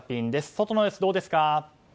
外の様子はどうですか？